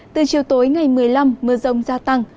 từ chiều tối ngày một mươi năm mưa rông gia tăng